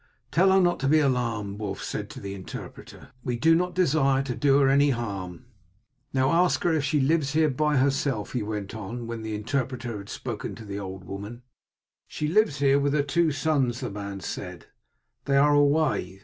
"Tell her not to be alarmed," Wulf said to the interpreter. "We do not desire to do her any harm. Now ask her if she lives here by herself," he went on, when the interpreter had spoken to the old woman. "She lives here with her two sons," the man said; "they are away.